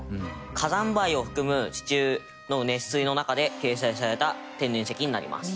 火山灰を含む地中の熱水の中で形成された天然石になります。